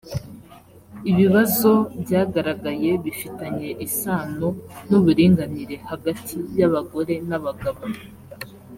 ibibazo byagaragaye bifitanye isano n uburinganire hagati y abagore nabagabo